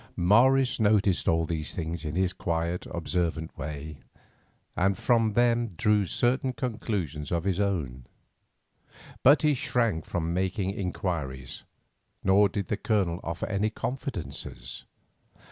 Morris noted all these things in his quiet, observant way, and from them drew certain conclusions of his own. But he shrank from making inquiries, nor did the Colonel offer any confidences.